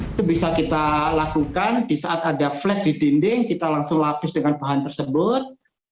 itu bisa kita lakukan di saat ada flag di dinding kita langsung lapis dengan bahan tersebut